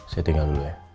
saya tinggal dulu ya